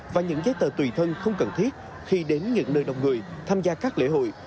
và những giấy tờ tùy thân không cần thiết khi đến những nơi đông người tham gia các lễ hội